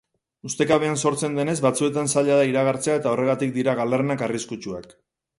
Ustekabean sortzen denez, batzuetan zaila da iragartzea eta horregatik dira galernak arriskutsuak.